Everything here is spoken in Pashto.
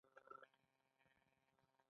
له همدې کبله د اضافي ارزښت بیه لوړېږي